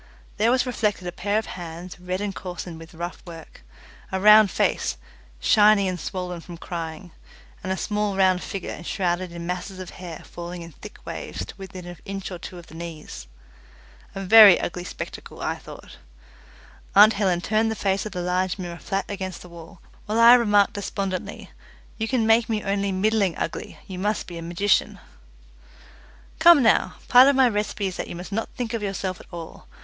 There was reflected a pair of hands, red and coarsened with rough work, a round face, shiny and swollen with crying, and a small round figure enshrouded in masses of hair falling in thick waves to within an inch or two of the knees. A very ugly spectacle, I thought. Aunt Helen turned the face of the large mirror flat against the wall, while I remarked despondently, "you can make me only middling ugly, you must be a magician." "Come now, part of my recipe is that you must not think of yourself at all.